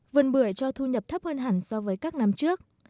vườn bưởi cho thu nhập thấp hơn hẳn so với các năm trước